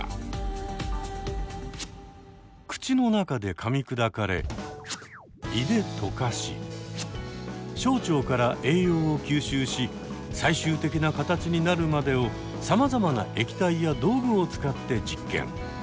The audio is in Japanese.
口の中でかみ砕かれ胃で溶かし小腸から栄養を吸収し最終的な形になるまでをさまざまな液体や道具を使って実験。